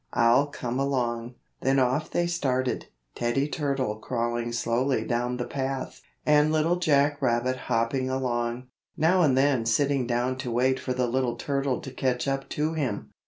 I'll come along." Then off they started, Teddy Turtle crawling slowly down the path, and Little Jack Rabbit hopping along, now and then sitting down to wait for the little turtle to catch up to him.